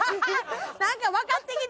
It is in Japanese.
何か分かってきた！